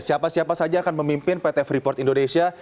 siapa siapa saja yang akan memimpin pt freeport indonesia